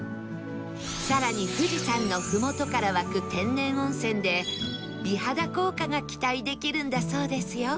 更に富士山の麓から湧く天然温泉で美肌効果が期待できるんだそうですよ